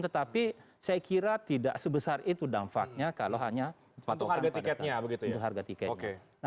tetapi saya kira tidak sebesar itu dampaknya kalau hanya patokan tiket untuk harga tiketnya